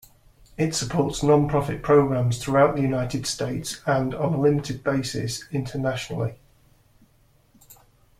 It supports nonprofit programs throughout the United States and, on a limited basis, internationally.